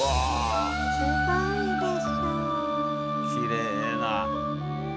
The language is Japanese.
きれいな。